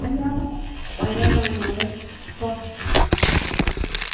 Wanyama wanaweza kufa wasipotibiwa ugonjwa wa kutoka damu sana